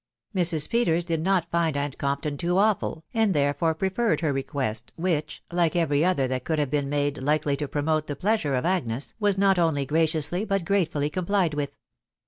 Mrs. Peters did not find aunt Compton too awful, and therefore preferred ' her request, which, like every other that could have been made likely to promote the pleasure of Agnes,, was not only graciously but gratefully complied with.